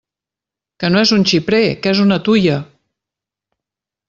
Que no és un xiprer, que és una tuia!